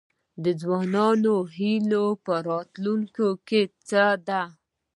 د ځوانانو هیله په راتلونکي څه ده؟